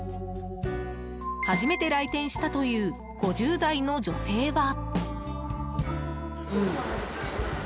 初めて来店したという５０代の女性は。